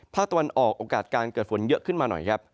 ภาคตะวันออกโอกาสการเกิดฝนเยอะขึ้นมาหน่อยครับ